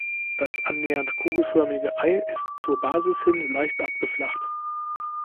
Das annähernd kugelförmige Ei ist zur Basis hin leicht abgeflacht.